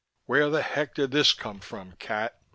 "Where the heck did this come from, cat?"